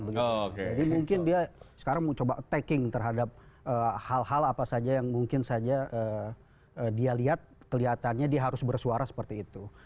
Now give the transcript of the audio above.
jadi mungkin dia sekarang mau coba attacking terhadap hal hal apa saja yang mungkin saja dia lihat kelihatannya dia harus bersuara seperti itu